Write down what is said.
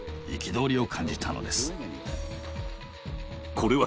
これは